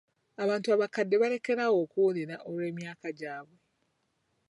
Abantu abakadde balekera awo okuwulira olw'emyaka gyabwe.